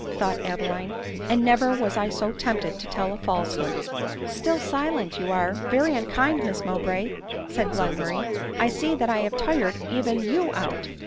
thought Adeline, "and never was I so tempted to tell a falsehood." " Still silent ! you are very unkind, Miss Mowbray," said Glenmurrray ;" I see that I have tired even you out."